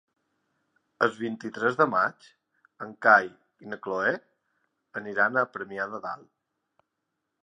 El vint-i-tres de maig en Cai i na Cloè aniran a Premià de Dalt.